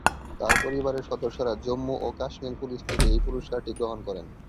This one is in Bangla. তাঁর পরিবারের সদস্যরা জম্মু ও কাশ্মীর পুলিশ থেকে এই পুরস্কারটি গ্রহণ করেন।